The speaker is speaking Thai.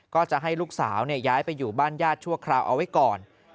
ก็จะให้ลูกสาวย้ายไปอยู่บ้านญาติชั่วคราวเอาไว้ก่อน